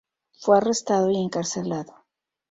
Fue arrestado y encarcelado.